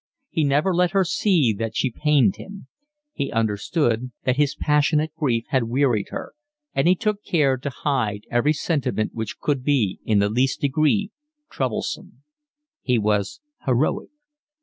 He never let her see that she pained him. He understood that his passionate grief had wearied her, and he took care to hide every sentiment which could be in the least degree troublesome. He was heroic.